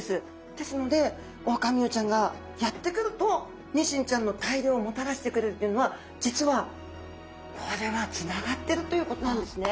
ですのでオオカミウオちゃんがやって来るとニシンちゃんの大漁をもたらしてくれるっていうのは実はこれはつながってるということなんですね。